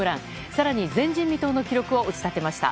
更に前人未到の記録を打ち立てました。